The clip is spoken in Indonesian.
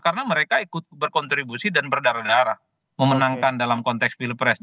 karena mereka ikut berkontribusi dan berdarah darah memenangkan dalam konteks pilpres